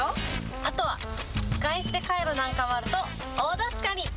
あとは使い捨てカイロなんかもあると大助かり。